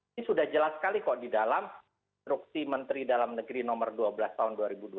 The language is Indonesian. ini sudah jelas sekali kok di dalam instruksi menteri dalam negeri nomor dua belas tahun dua ribu dua puluh